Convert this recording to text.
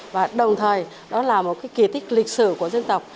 và đồng thời đó là một cái kỳ tích lịch sử của dân tộc